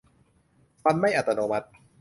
มันไม่อัตโนมัติ